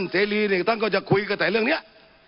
สใจที่นี่ค่อยจะคุยกับแต่เรื่องเนี้ย